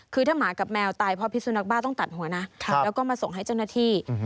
คือถ้าหมากับแมวตายเพราะพิสุนักบ้าต้องตัดหัวนะแล้วก็มาส่งให้เจ้าหน้าที่